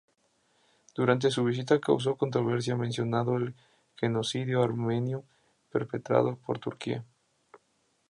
Durante su visita causó controversia mencionando el Genocidio Armenio perpetrado por Turquía.